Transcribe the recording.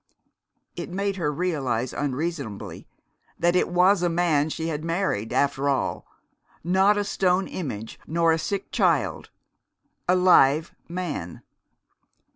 It made her realize unreasonably that it was a man she had married, after all, not a stone image nor a sick child a live man!